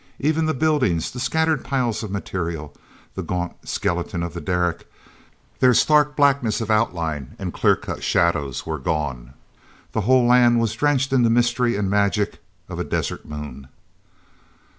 Even the buildings, the scattered piles of material, the gaunt skeleton of the derrick—their stark blackness of outline and clear cut shadow were gone; the whole land was drenched in the mystery and magic of a desert moon.